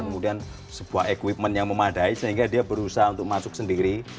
kemudian sebuah equipment yang memadai sehingga dia berusaha untuk masuk sendiri